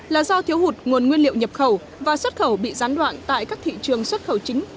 là do thiếu hụt nguồn nguyên liệu nhập khẩu và xuất khẩu bị gián đoạn tại các thị trường xuất khẩu chính